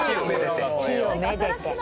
火をめでて。